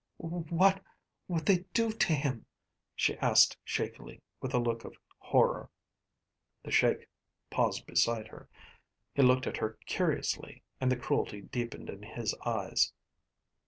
"What would they do to him?" she asked shakily, with a look of horror. The Sheik paused beside her. He looked at her curiously and the cruelty deepened in his eyes.